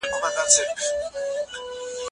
سړي پرېکړه وکړه چې هغې ته ډېرې پیسې ورکړي.